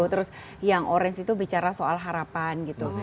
terus yang orange itu bicara soal harapan gitu